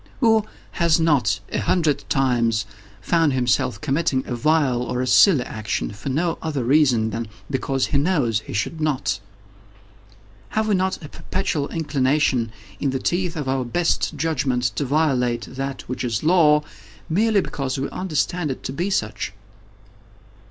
Who has not, a hundred times, found himself committing a vile or a silly action, for no other reason than because he knows he should not? Have we not a perpetual inclination, in the teeth of our best judgment, to violate that which is Law, merely because we understand it to be such?